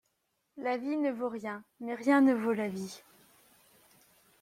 La vie ne vaut rien, mais rien ne vaut la vie